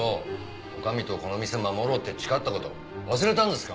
女将とこの店守ろうって誓った事忘れたんですか？